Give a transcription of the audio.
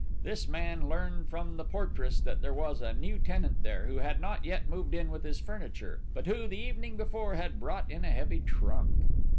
This man learned from the portress that there was a new tenant there, who had not yet moved in with his furniture; but who, the evening before, had brought in a heavy trunk....